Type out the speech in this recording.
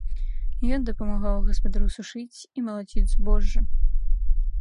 Ён дапамагаў гаспадару сушыць і малаціць збожжа.